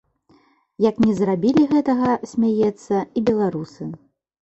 Як не зрабілі гэтага, смяецца, і беларусы.